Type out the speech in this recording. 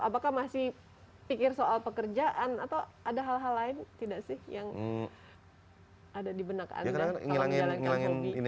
apakah masih pikir soal pekerjaan atau ada hal hal lain tidak sih yang ada di benak anda kalau menjalankan bumi